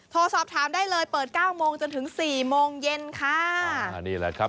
โทรสอบถามได้เลยเปิด๙โมงจนถึง๔โมงเย็นค่ะ